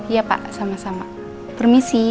iya pak sama sama permisi